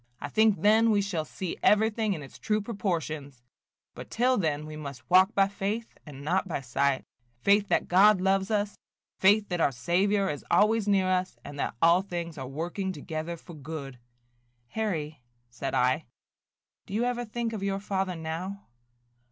I think then we shall see everything in its true proportions; but till then we must walk by faith and not by sight, – faith that God loves us, faith that our Saviour is always near us, and that all things are working together for good." "Harry," said I, "do you ever think of your father now?"